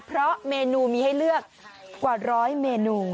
เพราะเมนูมีให้เลือกกว่าร้อยเมนู